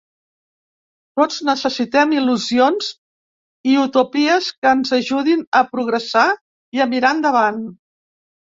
Tots necessitem il·lusions i utopies que ens ajudin a progressar i a mirar endavant.